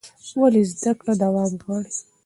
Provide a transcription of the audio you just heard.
ولې زده کړه دوام غواړي؟